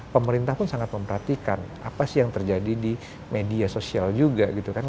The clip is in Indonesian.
pemerintah pun sangat memperhatikan apa sih yang terjadi di media sosial juga gitu kan